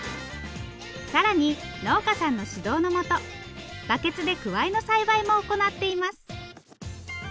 更に農家さんの指導の下バケツでくわいの栽培も行っています。